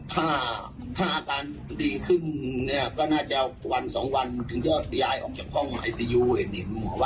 ถ้าถ้าอาการดีขึ้นเนี่ยก็น่าจะวันสองวันถึงจะย้ายออกจากห้องไอซียูเห็นหมอว่า